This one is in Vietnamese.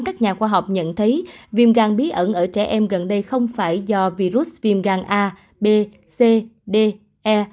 các khoa học nhận thấy viêm gan bí ẩn ở trẻ em gần đây không phải do virus viêm gan a b c d e